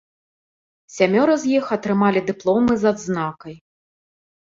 Сямёра з іх атрымалі дыпломы з адзнакай.